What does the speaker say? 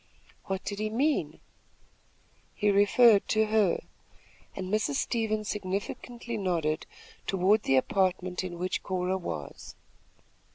"What did he mean?" "He referred to her," and Mrs. Stevens significantly nodded toward the apartment in which Cora was.